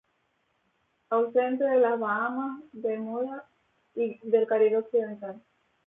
Ausente de las Bahamas, Bermuda y del Caribe occidental.